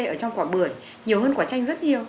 ở trong quả bưởi nhiều hơn quả tranh rất nhiều